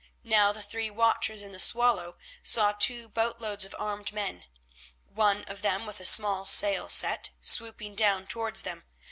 Now the three watchers in the Swallow saw two boatloads of armed men, one of them with a small sail set, swooping down towards them.